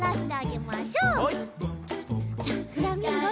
じゃあフラミンゴの！